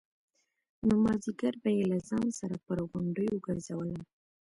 نو مازديگر به يې له ځان سره پر غونډيو گرځولم.